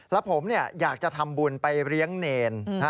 แล้วผมอยากจะทำบุญไปเลี้ยงเนร